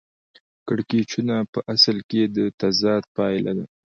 کړکېچونه په اصل کې د تضاد پایله ده